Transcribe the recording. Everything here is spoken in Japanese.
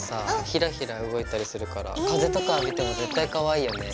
ひらひら動いたりするから風とか当てても絶対かわいいよね。